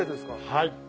はい。